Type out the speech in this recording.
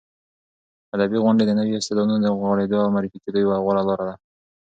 ادبي غونډې د نویو استعدادونو د غوړېدو او معرفي کېدو یوه غوره لاره ده.